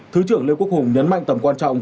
thứ trưởng lê quốc hùng nhấn mạnh tầm quan trọng